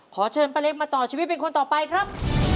ขอเชิญป้าเล็กมาต่อชีวิตเป็นคนต่อไปครับ